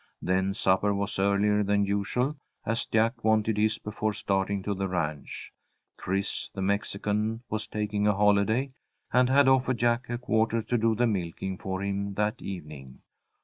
Then supper was earlier than usual, as Jack wanted his before starting to the ranch. Chris, the Mexican, was taking a holiday, and had offered Jack a quarter to do the milking for him that evening.